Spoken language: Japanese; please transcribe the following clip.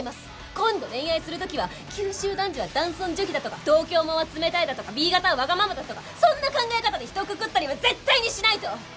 今度恋愛する時は九州男児は男尊女卑だとか東京もんは冷たいだとかＢ型はわがままだとかそんな考え方で人をくくったりは絶対にしないと！